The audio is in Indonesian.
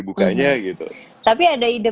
bukanya gitu tapi ada ide